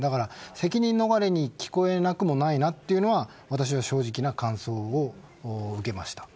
責任逃れに聞こえなくもないなというのは私の正直な感想を受けました。